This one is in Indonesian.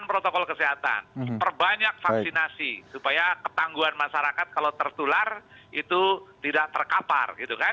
protokol kesehatan perbanyak vaksinasi supaya ketangguhan masyarakat kalau tertular itu tidak terkapar